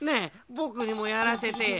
ぼくにもやらせてよ。